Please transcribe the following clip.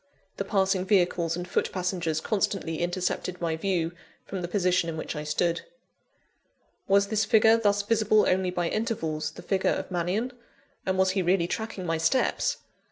The passing vehicles and foot passengers constantly intercepted my view, from the position in which I stood. Was this figure, thus visible only by intervals, the figure of Mannion? and was he really tracking my steps?